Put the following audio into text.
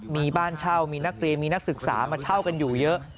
มีบ้านเช่ามีนักเรียนมีนักศึกษามาเช่ากันอยู่เยอะ